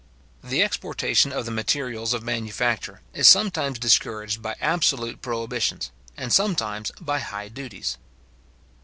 The exportation of the materials of manufacture is sometimes discouraged by absolute prohibitions, and sometimes by high duties.